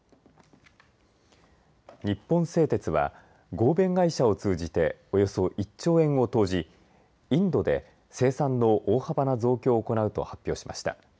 日本製鉄は合弁会社を通じておよそ１兆円を投じインドで生産の大幅な増強を行うと発表しました。